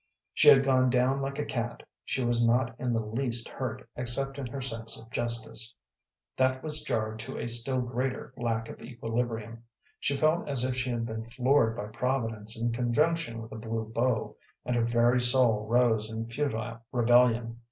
She had gone down like a cat; she was not in the least hurt except in her sense of justice; that was jarred to a still greater lack of equilibrium. She felt as if she had been floored by Providence in conjunction with a blue bow, and her very soul rose in futile rebellion.